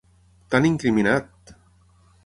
T'han incriminat!